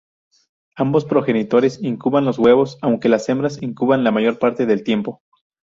Ambos progenitores incuban los huevos, aunque las hembras incuban la mayor parte del tiempo.